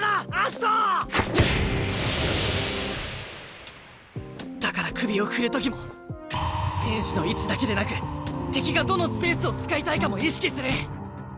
心の声だから首を振る時も選手の位置だけでなく敵がどのスペースを使いたいかも意識する！